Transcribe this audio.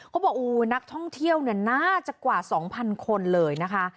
เขาบอกนักท่องเที่ยวเนี่ยน่าจะกว่า๒๐๐คนเลยนะคะ